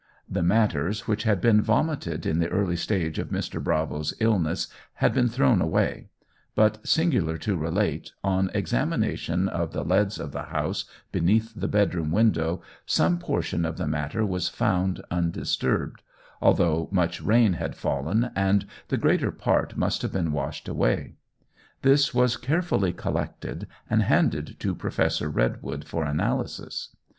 The matters which had been vomited in the early stage of Mr. Bravo's illness had been thrown away; but, singular to relate, on examination of the leads of the house beneath the bedroom window, some portion of the matter was found undisturbed, although much rain had fallen and the greater part must have been washed away. This was carefully collected and handed to Professor Redwood for analysis.